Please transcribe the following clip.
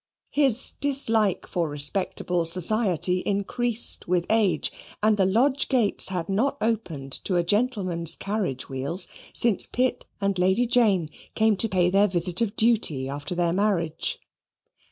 His dislike for respectable society increased with age, and the lodge gates had not opened to a gentleman's carriage wheels since Pitt and Lady Jane came to pay their visit of duty after their marriage.